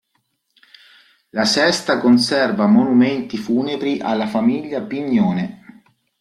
La sesta conserva monumenti funebri alla famiglia Pignone.